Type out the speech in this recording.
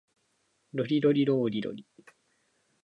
ロリロリローリロリ